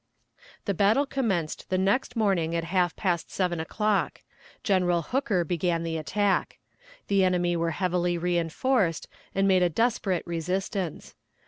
The battle commenced the next morning at half past seven o'clock. General Hooker began the attack. The enemy were heavily reinforced, and made a desperate resistance.